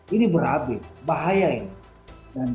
ini berhabit bahaya ini